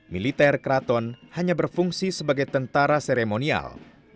militer keraton hanya berfungsi sebagai tentara seremonial